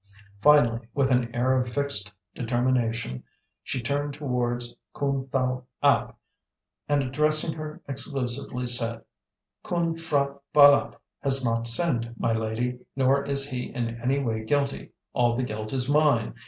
Finally, with an air of fixed determination she turned towards Khoon Thow App, and, addressing her exclusively, said: "Khoon P'hra Bâlât has not sinned, my lady, nor is he in any way guilty. All the guilt is mine.